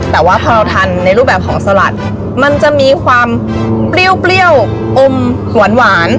แต่ว่าพอเราทานในรูปแบบของสลัดมันจะมีความเปรี้ยวอมหวาน